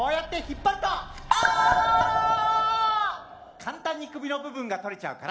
簡単に首の部分が取れちゃうから。